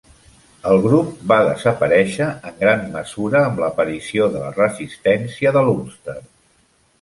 El grup va desaparèixer en gran mesura amb l'aparició de la resistència de l'Ulster.